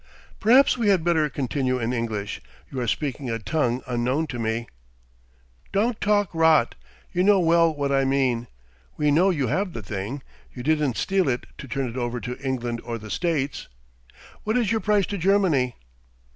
"Perhaps we had better continue in English. You are speaking a tongue unknown to me." "Don't talk rot. You know well what I mean. We know you have the thing. You didn't steal it to turn it over to England or the States. What is your price to Germany?"